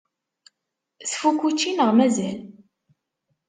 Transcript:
Tfukk učči neɣ mazal?